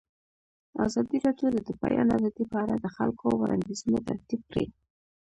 ازادي راډیو د د بیان آزادي په اړه د خلکو وړاندیزونه ترتیب کړي.